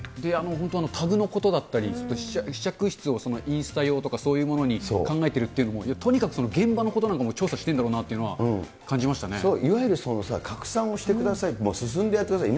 本当、タグのことだったり、試着室をインスタ用とか、そういうものに考えてるっていうのも、とにかく現場のことも調査してるんだろうなというのは感じましたいわゆる拡散をしてくださいと、進んでやってください。